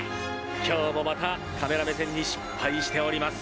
「今日もまたカメラ目線に失敗しております」。